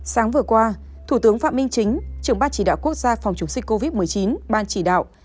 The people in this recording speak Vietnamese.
sáng vừa qua thủ tướng phạm minh chính trưởng ban chỉ đạo quốc gia phòng chống dịch covid một mươi chín ban chỉ đạo